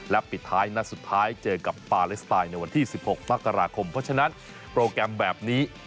และปิดท้ายนัดสุดท้ายเจอกับปาเลสไตน์ในวันที่๑๖มกราคมเพราะฉะนั้นโปรแกรมแบบนี้